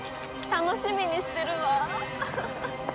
楽しみにしてるわ。